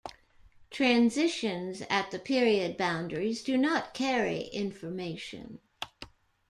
Transitions at the period boundaries do not carry information.